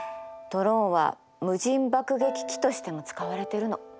ドローンは無人爆撃機としても使われてるの。